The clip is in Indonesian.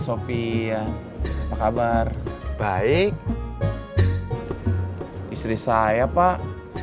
sofia apa kabar baik istri saya pak